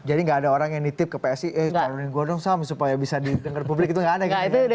jadi tidak ada orang yang nitip ke psi eh taruhin gue dong sam supaya bisa didengar publik itu tidak ada gitu ya